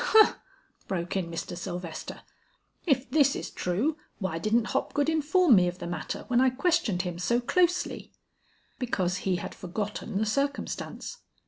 "Humph!" broke in Mr. Sylvester, "if this is true, why didn't Hopgood inform me of the matter when I questioned him so closely?" "Because he had forgotten the circumstance.